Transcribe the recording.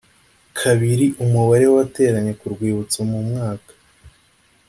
kabiri umubare w abateranye ku rwibutso mu mwaka